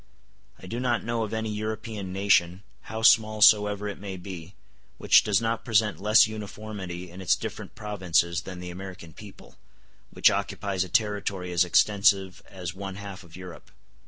I do not know of any European nation, how small soever it may be, which does not present less uniformity in its different provinces than the American people, which occupies a territory as extensive as one half of Europe.